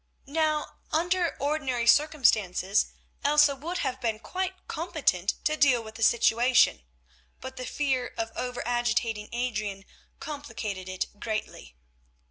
Now, under ordinary circumstances, Elsa would have been quite competent to deal with the situation, but the fear of over agitating Adrian complicated it greatly.